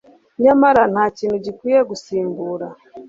nyamara nta kintu gikwiye gusimbura